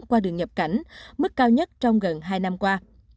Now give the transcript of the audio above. qua đường nhập cảnh mức cao nhất trong gần hai năm qua